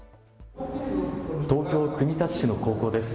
東京国立市の高校です。